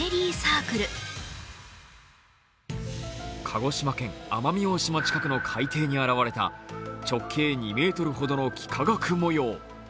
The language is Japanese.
鹿児島県奄美大島近くの海底に現れた直径２ｍほどの幾何学模様。